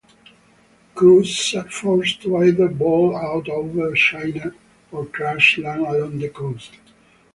Crews are forced to either bail out over China or crash-land along the coast.